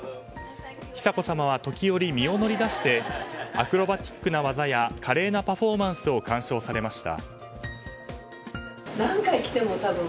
久子さまは時折、身を乗り出してアクロバティックな技や華麗なパフォーマンスを鑑賞されました。